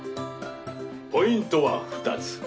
ポイントは２つ。